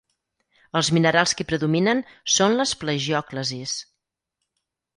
Els minerals que hi predominen són les plagiòclasis.